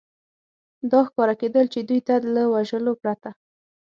دا ښکاره کېدل، چې دوی ته له وژلو پرته.